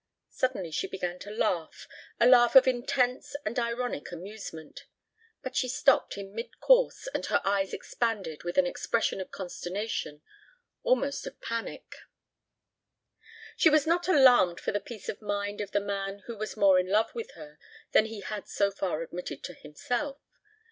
Suddenly she began to laugh, a laugh of intense and ironic amusement; but it stopped in mid course and her eyes expanded with an expression of consternation, almost of panic. She was not alarmed for the peace of mind of the man who was more in love with her than he had so far admitted to himself.